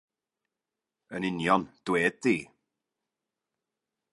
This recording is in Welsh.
Yn union, dwed di.